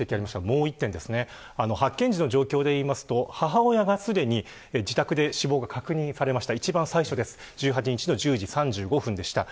もう一点、発見時の状況で言うと母親がすでに自宅で死亡が確認されました。